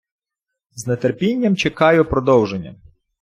З нетерпінням чекаю продовження